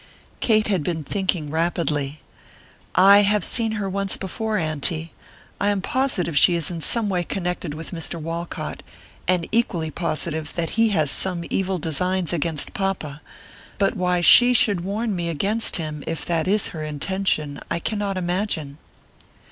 Kate had been thinking rapidly. "I have seen her once before, auntie. I am positive she is in some way connected with Mr. Walcott, and equally positive that he has some evil designs against papa; but why she should warn me against him, if that is her intention, I cannot imagine."